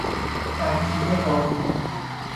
ترتیب وارونه